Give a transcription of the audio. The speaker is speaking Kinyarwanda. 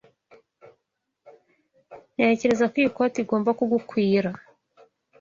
Ntekereza ko iyi koti igomba kugukwira.